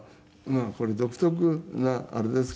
これ独特なあれですからね。